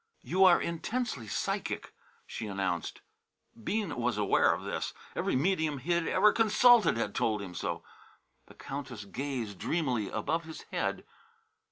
"You are intensely psychic," she announced. Bean was aware of this. Every medium he had ever consulted had told him so. The Countess gazed dreamily above his head.